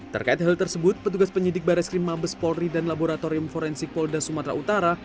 terkait hal tersebut petugas penyidik baris krim mabes polri dan laboratorium forensik polda sumatera utara